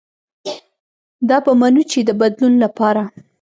دا به منو چې د بدلون له پاره